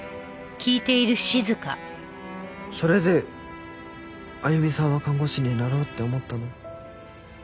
それで歩さんは看護師になろうって思ったの？